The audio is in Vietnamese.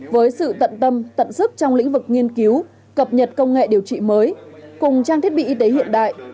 với sự tận tâm tận sức trong lĩnh vực nghiên cứu cập nhật công nghệ điều trị mới cùng trang thiết bị y tế hiện đại